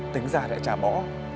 tính ra lại trả bỏ